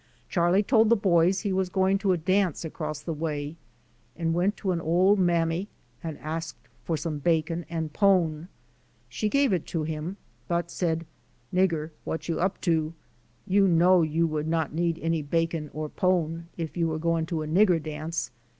Charlie told the boys he was going to a dance across the way and went to an old mammy and asked for some bacon and pone. She gave it to him but said, ^* Nigger what you up to? You know you would not need any bacon or pone if you were going to a nigger dance.